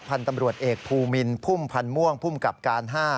พันธุ์ตำรวจเอกภูมินพุ่มพันธ์ม่วงภูมิกับการ๕